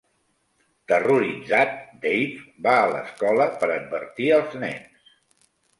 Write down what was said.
Terroritzat, Dave va a l'escola per advertir els nens.